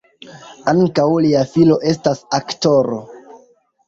Ankaŭ lia filo estas aktoro.